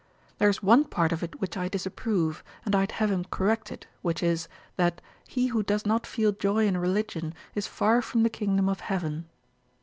There is one part of it which I disapprove, and I'd have him correct it; which is, that "he who does not feel joy in religion is far from the kingdom of heaven!"